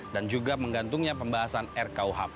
dan juga menggantungnya pembahasan ru